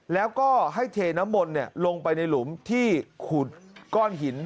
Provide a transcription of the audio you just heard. แล้วก็ให้เทน้ำมนต์ลงไปในหลุมที่ขูดก้อนหิน